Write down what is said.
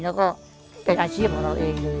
แล้วก็เป็นอาชีพของเราเองเลย